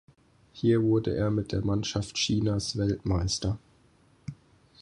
Hier wurde er mit der Mannschaft Chinas Weltmeister.